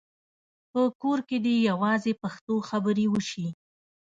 په کور کې دې یوازې پښتو خبرې وشي.